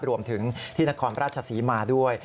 รวมถึงที่นครราชศรีมาด้วย